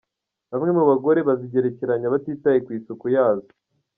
Bamwe mu bagore bazigerekeranyaga batitaye ku isuku yazo.